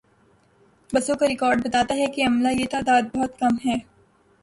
بسوں کا ریکارڈ بتاتا ہے کہ عملا یہ تعداد بہت کم ہے۔